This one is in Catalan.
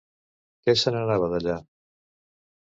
Què se n'anava d'allà?